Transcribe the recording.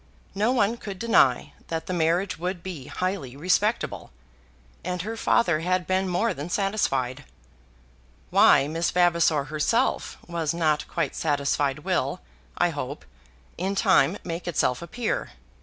No one could deny that the marriage would be highly respectable, and her father had been more than satisfied. Why Miss Vavasor herself was not quite satisfied will, I hope, in time make itself appear.